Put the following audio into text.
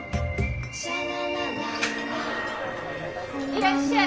いらっしゃい。